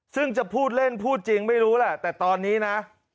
ซึ่งจะพูดเล่นพูดจริงไม่รู้แหละแต่ตอนนี้นะ